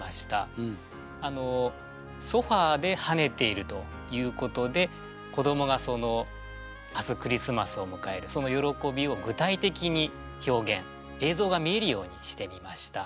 あのソファではねているということで子どもが明日クリスマスを迎えるその喜びを具体的に表現映像が見えるようにしてみました。